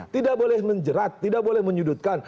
tidak boleh menjerat tidak boleh menyudutkan